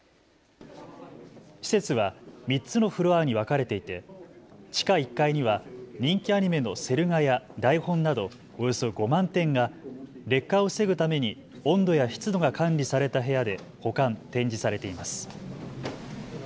施設は３つのフロアに分かれていて地下１階には人気アニメのセル画や台本などおよそ５万点が劣化を防ぐために温度や湿度が管理された部屋で保管・展示されています。